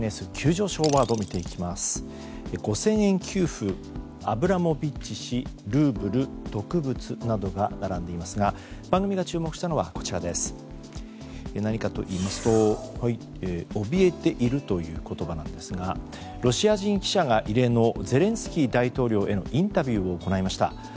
給付アブラモビッチ氏ルーブル、毒物などが並んでいますが番組が注目したのはおびえているという言葉ですがロシア人記者が異例のゼレンスキー大統領へのインタビューを行いました。